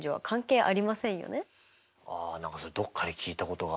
あ何かそれどっかで聞いたことが。